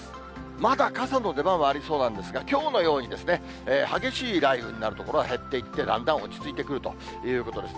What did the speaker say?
まだ傘の出番はありそうなんですが、きょうのように、激しい雷雨になる所は減っていって、だんだん落ち着いてくるということです。